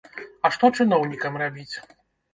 А што чыноўнікам рабіць?